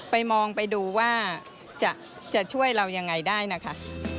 มองไปดูว่าจะช่วยเรายังไงได้นะคะ